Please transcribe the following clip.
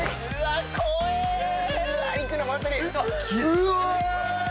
「うわ！」